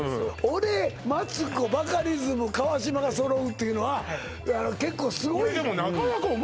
俺マツコバカリズム川島が揃うっていうのは結構すごいそうですよね